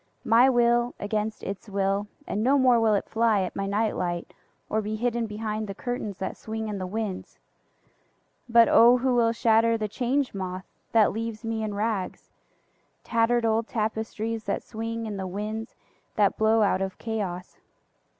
My will against its will, and no more will it fly at my night light or be hidden behind the curtains that swing in the winds.(But O who will shatter the Change Moth that leaves me in rags—tattered old tapestries that swing in the winds that blow out of Chaos!)